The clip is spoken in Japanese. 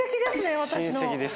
私の。